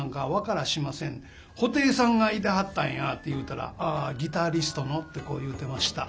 「布袋さんがいてはったんや」って言うたら「ギタリストの？」ってこう言うてました。